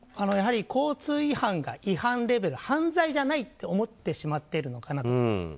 やはり交通違反が違反レベル犯罪じゃないと思ってしまっているのかなと。